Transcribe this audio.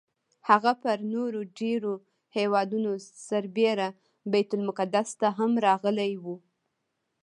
هغه پر نورو ډېرو هېوادونو سربېره بیت المقدس ته هم راغلی و.